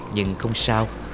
nhưng không sao